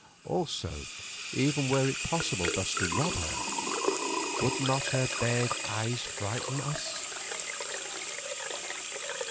Also, even were it possible thus to rob her, would not her bared eyes frighten us?